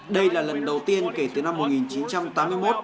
đây là lần đầu tiên kể từ năm một nghìn chín trăm tám mươi một